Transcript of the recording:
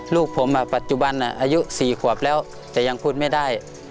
ลูกผมปัจจุบันอายุ๔ขวบแล้วแต่ยังพูดไม่ได้